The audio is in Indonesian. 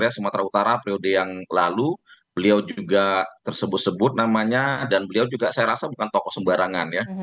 sumatera utara periode yang lalu beliau juga tersebut sebut namanya dan beliau juga saya rasa bukan tokoh sembarangan ya